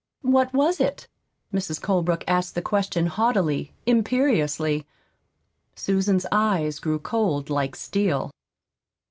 "What was it?" Mrs. Colebrook asked the question haughtily, imperiously. Susan's eyes grew cold like steel.